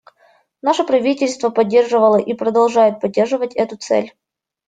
Наше правительство поддерживало и продолжает поддерживать эту цель.